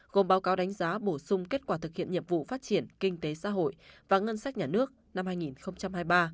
gồm báo cáo đánh giá bổ sung kết quả thực hiện nhiệm vụ phát triển kinh tế xã hội và ngân sách nhà nước năm hai nghìn hai mươi ba